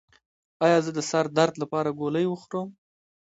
ایا زه د سر درد لپاره ګولۍ وخورم؟